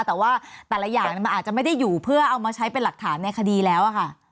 ตัวอย่างนั้นอาจจะไม่ได้อยู่เพื่อใช้มาเป็นหลักขามในคดีแล้ว